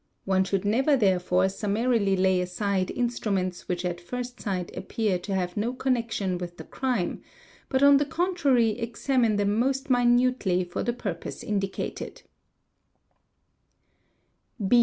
One should neve therefore summarily lay aside instruments which at first sight appear t have no connection with the crime, but on the contrary examine thet most minutely for the purpose indicated.